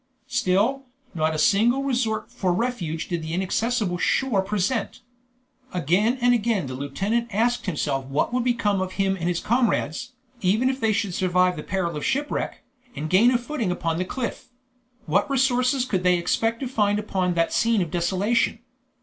Still, not a single resort for refuge did the inaccessible shore present. Again and again the lieutenant asked himself what would become of him and his comrades, even if they should survive the peril of shipwreck, and gain a footing upon the cliff. What resources could they expect to find upon that scene of desolation?